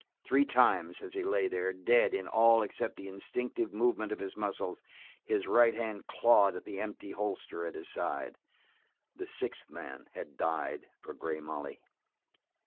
Three times, as he lay there, dead in all except the instinctive movement of his muscles, his right hand clawed at the empty holster at his side. The sixth man had died for Grey Molly.